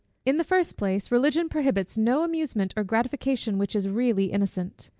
In the first place, Religion prohibits no amusement or gratification which is really innocent.